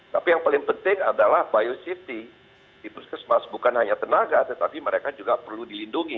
tapi yang paling penting adalah biosafety di puskesmas bukan hanya tenaga tetapi mereka juga perlu dilindungi